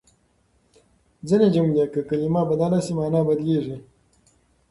ځينې جملې که کلمه بدله شي، مانا بدلېږي.